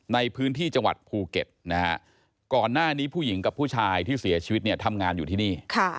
ในพื้นที่จังหวัดภูเก็ตนะฮะก่อนหน้านี้ผู้หญิงกับผู้ชายที่เสียชีวิตเนี่ยทำงานอยู่ที่นี่